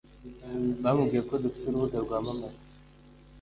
bamubwiye ko dufite urubuga rwamamamza